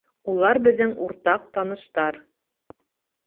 Улар беҙҙең уртаҡ таныштар